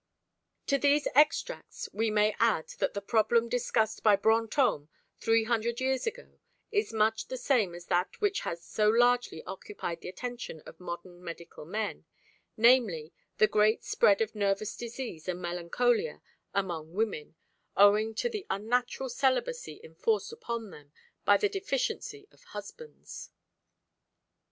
To these extracts we may add that the problem discussed by Brantôme, three hundred years ago, is much the same as that which has so largely occupied the attention of modern medical men, namely the great spread of nervous disease and melancholia among women, owing to the unnatural celibacy enforced upon them by the deficiency of husbands.